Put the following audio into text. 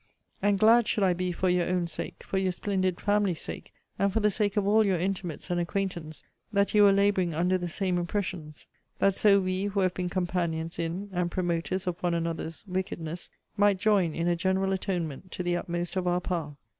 And glad should I be for your own sake, for your splendid family's sake, and for the sake of all your intimates and acquaintance, that you were labouring under the same impressions, that so we who have been companions in (and promoters of one another's) wickedness, might join in a general atonement to the utmost of our power.